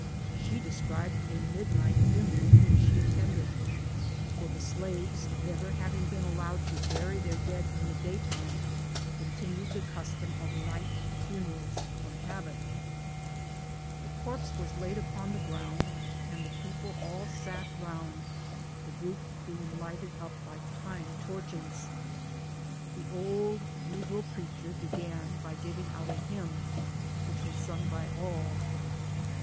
She described a midnight funeral which she at tended ; for the slaves, never having been allowed to bury their dead in the day time, continued the custom of night funerals from habit. The corpse was laid upon the ground, and the people all sat round, the group being lighted up by pine torches. The old negro preacher began by giving out a hymn, which was sung by all.